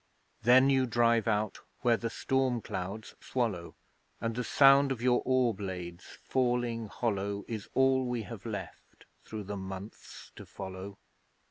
Then you drive out where the storm clouds swallow: And the sound of your oar blades falling hollow Is all we have left through the months to follow.